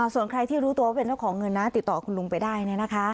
ส่วนใครที่รู้ตัวว่าเป็นเจ้าของเงินนะติดต่อคุณลุงไปได้